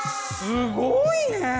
すごいねえ！